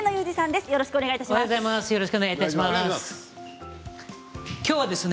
よろしくお願いします